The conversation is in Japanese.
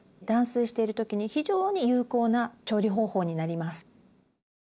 断水している時に非常に有効な調理方法になります。